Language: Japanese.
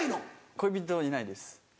恋人いないです。